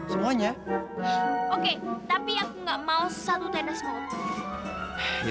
semuanya oke tapi aku nggak mau satu tena semua